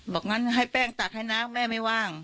บอกงั้นให้แป้งตักให้นะแม่ไม่ว่าง